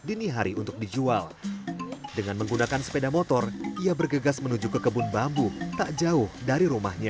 dini hari untuk dijual dengan menggunakan sepeda motor ia bergegas menuju ke kebun bambu tak jauh dari rumahnya